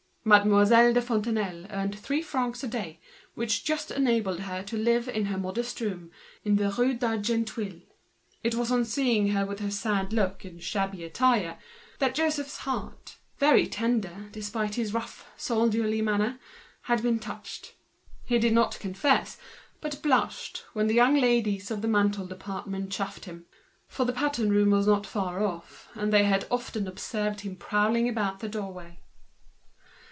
Mademoiselle de Fontenailles earned three francs a day, which just enabled her to live in her modest room, in the Rue d'Argenteuil. It was on seeing her, with her sad look and such shabby clothes, that Joseph's heart, very tender under his rough soldier's manner, had been touched. He did not confess, but he blushed, when the young ladies in the ready made department chaffed him; for the pattern room was not far off, and they had often observed him prowling about the doorway.